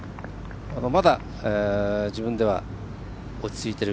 まだ、自分では落ち着いている。